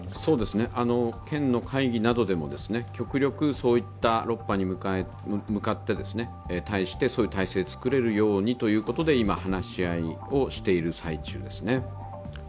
県の会議などでも極力、そういった６波に対してそういう体制を作れるようにとうことで話し合いをしている最中です。